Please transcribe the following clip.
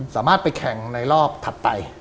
สามารถไปแข่งในรอบถัดไป